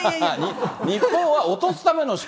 日本は落とすための試験